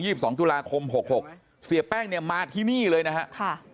จุลาคม๖๖๖เสียแป้งมาที่นี่เลยนะค่ะเสียแป้งว่า